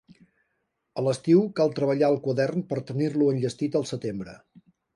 A l'estiu cal treballar el quadern per tenir-lo enllestit el setembre.